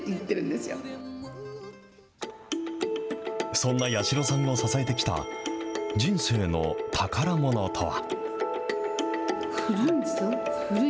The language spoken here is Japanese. そんな八代さんを支えてきた人生の宝ものとは。